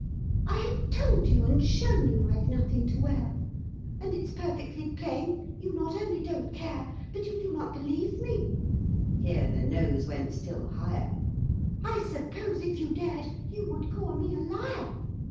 I have told you and shown you I've nothing to wear, And it's perfectly plain you not only don't care, But you do not believe me" (here the nose went still higher). "I suppose, if you dared, you would call me a liar.